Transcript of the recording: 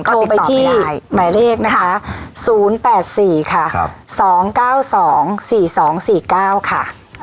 โทรไปที่หมายเลขนะคะ๐๘๔ค่ะ๒๙๒๔๒๔๙ค่ะ